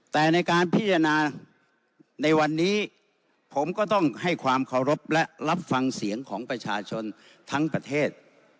แต่ในการพิจารณาในวันนี้ผมก็ต้องให้ความเคารพและรับฟังเสียงของประชาชนทั้งประเทศ